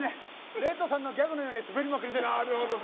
レッドさんのギャグのようにすべりまくりです。